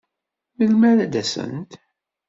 Melmi ara d-asent?